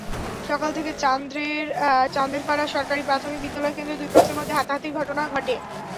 সকাল থেকে চান্দেরপাড়া সরকারি প্রাথমিক বিদ্যালয় কেন্দ্রে দুই পক্ষের মধ্যে হাতাহাতির ঘটনা ঘটে।